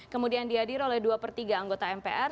kemudian dihadir oleh dua per tiga anggota mpr